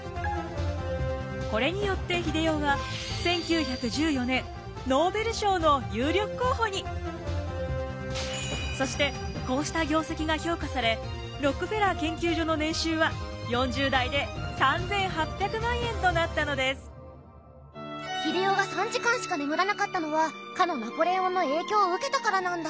これによって英世はそしてこうした業績が評価されロックフェラー研究所の年収は英世が３時間しか眠らなかったのはかのナポレオンの影響を受けたからなんだ。